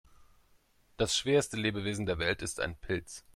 Das schwerste Lebewesen der Welt ist ein Pilz.